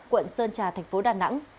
quận sơn trà tp đà nẵng